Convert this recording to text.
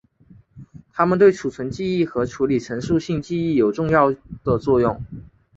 它们对储存记忆和处理陈述性记忆有重要的作用。